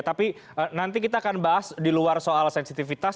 tapi nanti kita akan bahas di luar soal sensitivitas